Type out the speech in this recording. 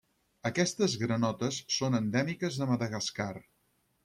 Aquestes granotes són endèmiques de Madagascar.